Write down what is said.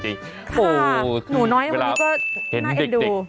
ค่ะหนูน้อยคนนี้ก็น่าเอ็นดู